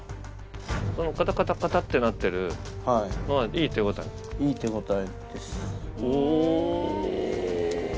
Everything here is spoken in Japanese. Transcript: そのカタカタカタってなってるのはいい手応え？